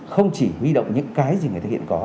không chỉ huy động những cái gì người ta hiện có